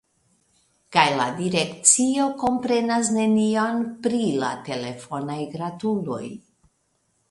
Kaj la direkcio komprenas nenion pri la telefonaj gratuloj.